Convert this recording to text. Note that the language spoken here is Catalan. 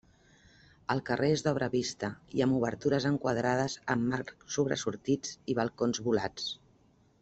El carrer és d'obra vista i amb obertures enquadrades amb marcs sobresortits i balcons volats.